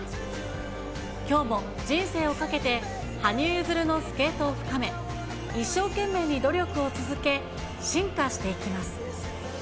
きょうも人生をかけて、羽生結弦のスケートを深め、一生懸命に努力を続け、進化していきます。